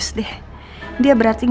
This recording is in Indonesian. tidak tahu kayak gimana